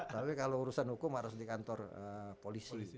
tapi kalau urusan hukum harus di kantor polisi